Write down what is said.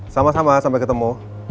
sama sama sampai ketemu